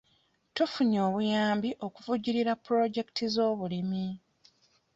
Tufunye obuyambi okuvujjirira pulojekiti z'obulimi.